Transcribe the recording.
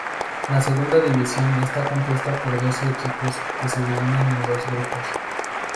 La segunda división está compuesta por doce equipos que se dividen en dos grupos.